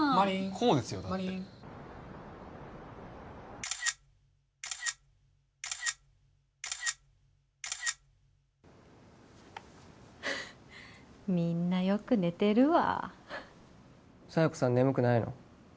こうですよだってフフッみんなよく寝てるわ佐弥子さん眠くないの？